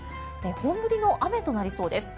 本降りの雨となりそうです。